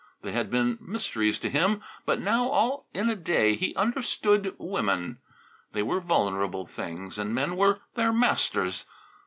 They had been mysteries to him, but now, all in a day, he understood women. They were vulnerable things, and men were their masters.